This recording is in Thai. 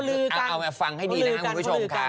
เดี๋ยวก่อนเอามาฟังให้ดีนะคุณผู้ชม